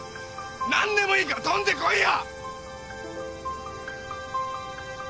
何でもいいから跳んでこいよ！！